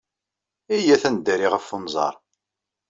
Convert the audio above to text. Iyyat ad neddari ɣef unẓar.